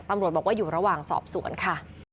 ตำรวจบอกว่าอยู่ระหว่างสอบสวนค่ะ